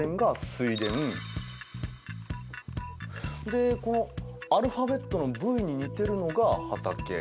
でこのアルファベットのＶに似てるのが畑。